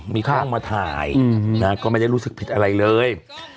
มีกล้องมาถ่ายนะก็ไม่ได้รู้สึกผิดอะไรเลย